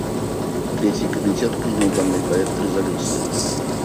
Третий комитет принял данный проект резолюции.